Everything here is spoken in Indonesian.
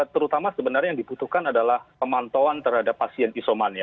terutama sebenarnya yang dibutuhkan adalah pemantauan terhadap pasien isoman ya